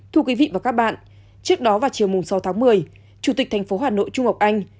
thưa quý vị và các bạn trước đó vào chiều sáu tháng một mươi chủ tịch thành phố hà nội trung ngọc anh